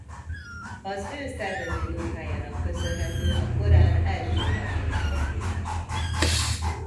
Az ő szervezőmunkájának köszönhető a Korán első latin fordítása.